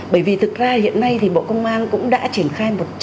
bởi vì thực ra hiện nay thì bộ công an cũng đã triển khai một trăm linh